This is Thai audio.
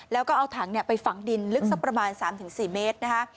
แล้วก็เอาถังไปฝังดินลึกสักประมาณ๓๔เมตรนะคะ